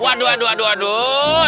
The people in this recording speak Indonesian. waduh aduh aduh